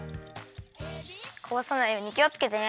こぼさないようにきをつけてね。